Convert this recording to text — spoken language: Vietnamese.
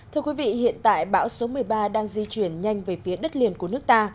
thưa quý vị hiện tại bão số một mươi ba đang di chuyển nhanh về phía đất liền của nước ta